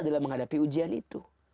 dalam menghadapi ujian itu